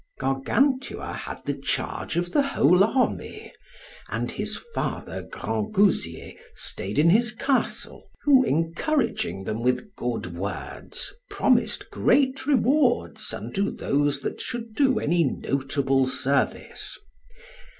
Gargantua had the charge of the whole army, and his father Grangousier stayed in his castle, who, encouraging them with good words, promised great rewards unto those that should do any notable service.